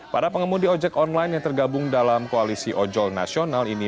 para pengemudi ojek online yang tergabung dalam koalisi ojol nasional ini